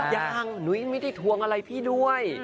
ยังหนุ้ยไม่ได้ทวงอะไรพี่ด้วย